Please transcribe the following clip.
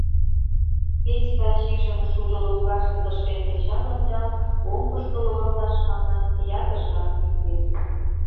Петька чижым шудо лоҥгаште тыршен кычалын да, оҥгышко логалташ манын, ятыр жап виктен.